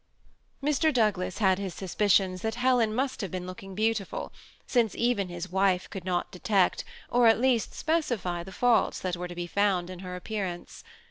Mr. Douglas had his suspicions that Helen must have been looking beautiful, since even his wife could not de tect, or at least specify, the faults that were to be found in her appearance.